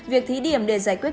việc thí điểm để giải quyết